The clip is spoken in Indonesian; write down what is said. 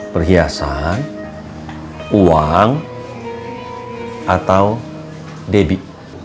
perhiasan uang atau debbie